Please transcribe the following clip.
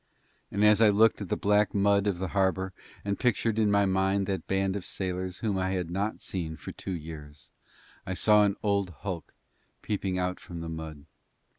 And as I looked at the black mud of the harbour and pictured in my mind that band of sailors whom I had not seen for two years, I saw an old hulk peeping from the mud.